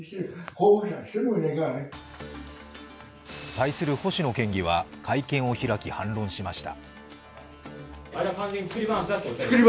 対する星野県議は会見を開き、反論しました。